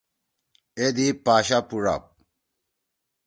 اے دی پاشا پُوڙ آپ۔